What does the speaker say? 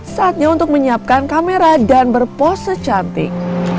saatnya untuk menyiapkan kamera dan berpose cantik